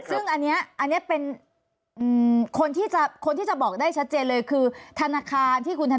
รายการทำบัญชีธนาคารถูกไหมค่ะ